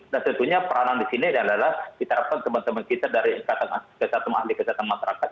dan tentunya peranan di sini adalah kita terapkan teman teman kita dari ketua mahli ketua masyarakat